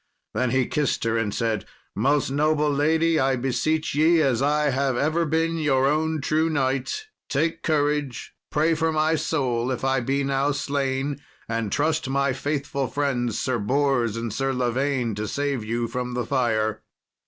Then he kissed her and said, "Most noble lady, I beseech ye, as I have ever been your own true knight, take courage; pray for my soul if I be now slain, and trust my faithful friends, Sir Bors and Sir Lavaine, to save you from the fire."